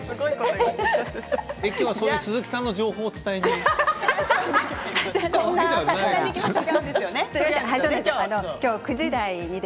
今日は鈴木さんの情報を伝えに？